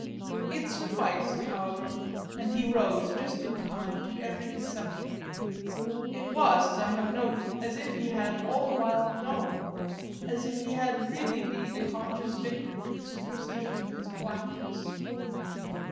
It sufficed, however, and he rose, just in time, to every conception; it was, as I have already noted, as if he had all the while known, as if he had really been a conscious victim to the superstition of his blackness.